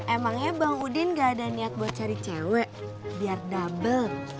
emangnya bang udin gak ada niat buat cari cewek biar double